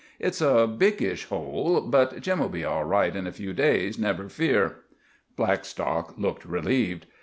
"It's a biggish hole, but Jim'll be all right in a few days, never fear." Blackstock looked relieved.